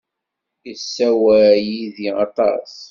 Yessawal yid-i aṭas.